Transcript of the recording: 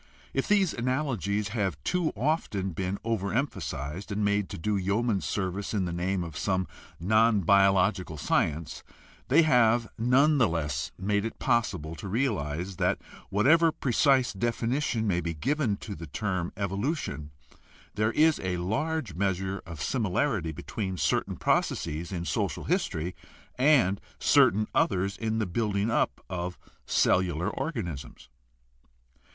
If these analogies have too often been overemphasized and made to do yeoman service in the name of some non biological science, they have none the less made it possible to realize that whatever precise definition may be given to the term "evolution" there is a large measure of similarity between certain processes in social history and certain others in the building up of cellular organisms.